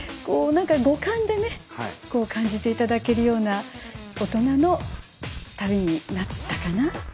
何か五感でね感じていただけるような大人の旅になったかなと思います。